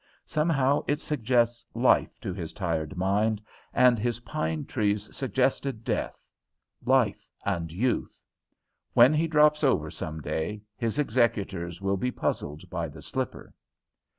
Somehow it suggests life to his tired mind, as his pine trees suggested death life and youth. When he drops over some day, his executors will be puzzled by the slipper.